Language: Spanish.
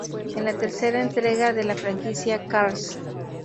Es la tercera entrega de la franquicia "Cars".